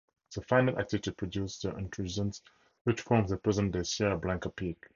The final activity produced the intrusions which form the present-day Sierra Blanca Peak.